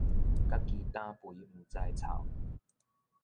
家己擔肥毋知臭